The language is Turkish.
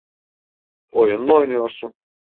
Oyun mu oynuyorsun?